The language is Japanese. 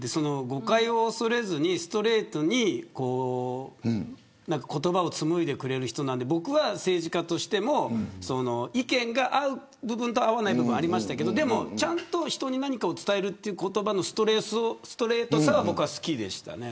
誤解を恐れずにストレートに言葉を紡いでくれる人なので僕は政治家としても意見が合う部分と合わない部分がありましたがちゃんと人に何かを伝える言葉のストレートさは僕は好きでしたね。